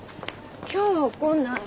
今日は怒んない。